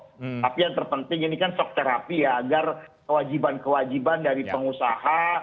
tapi yang terpenting ini kan shock therapy ya agar kewajiban kewajiban dari pengusaha